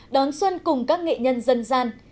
mùa xuân cùng các nghệ nhân dân gian